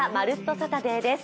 サタデー」です。